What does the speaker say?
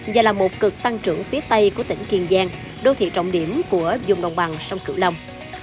và là một cực tăng trưởng phía tây của tỉnh kiên giang đô thị trọng điểm của dùng đồng bằng sông cửu long